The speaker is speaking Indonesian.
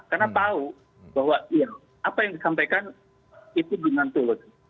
karena tahu bahwa apa yang disampaikan itu dengan tulus